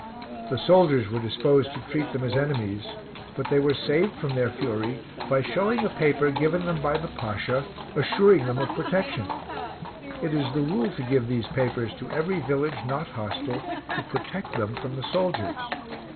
The soldiers were disposed to treat them as enemies, but they were saved from their fury by showing a paper given them by the Pasha, assuring them of protection. It is the rule to give these papers to every village not hostile, to protect them from the soldiers.